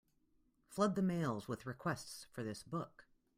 Flood the mails with requests for this book.